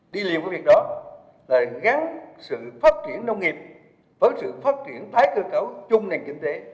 đi liền với việc đó là gắn sự phát triển nông nghiệp với sự phát triển tái cơ cấu chung nền kinh tế